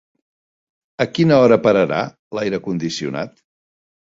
A quina hora pararà l'aire condicionat?